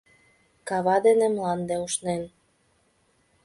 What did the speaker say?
Кава дене мланде ушнен.